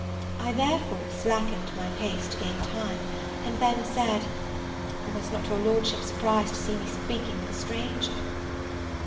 I therefore slackened my pace to gain time; and then said, "Was not your Lordship surprised to see me speaking with a stranger?"